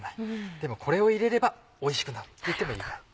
でもこれを入れればおいしくなるって言ってもいいぐらい。